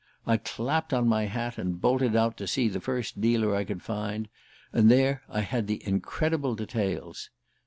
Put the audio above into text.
I clapped on my hat and bolted out to see the first dealer I could find; and there I had the incredible details.